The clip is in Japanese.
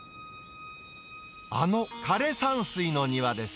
あの枯れ山水の庭です。